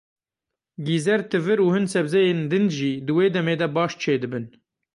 Gîzer, tivir û hin sebzeyên din jî di wê demê de baş çêdibin.